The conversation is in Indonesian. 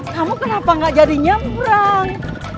kamu kenapa gak jadi nyebrang